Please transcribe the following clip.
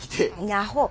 アホ！